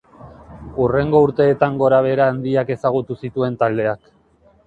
Hurrengo urteetan gorabehera handiak ezagutu zituen taldeak.